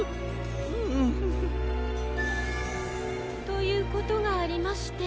ということがありまして。